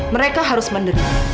mereka harus menderita